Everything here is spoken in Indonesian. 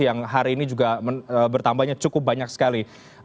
yang hari ini juga bertambahnya cukup banyak sekali